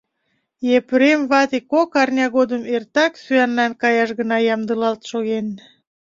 Епрем вате кок арня годым эртак сӱанлан каяш гына ямдылалт шоген.